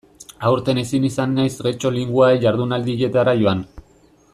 Aurten ezin izan naiz Getxo Linguae jardunaldietara joan.